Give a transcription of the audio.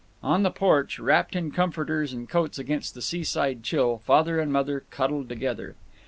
On the porch, wrapped in comforters and coats against the seaside chill, Father and Mother cuddled together.